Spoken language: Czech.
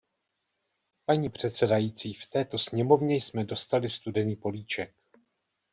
Paní předsedající, v této sněmovně jsme dostali studený políček.